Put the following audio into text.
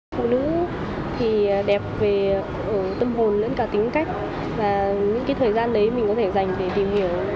phụ nữ thì đẹp về tâm hồn lẫn cả tính cách và những thời gian đấy mình có thể dành để tìm hiểu